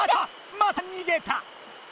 またにげた！